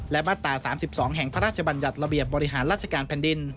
และมาตรา๓๒แห่งพระราชบัญญัติระเบียบบริหารราชการแผ่นดิน